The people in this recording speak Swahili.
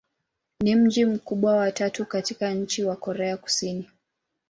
Ni mji mkubwa wa tatu katika nchi wa Korea Kusini.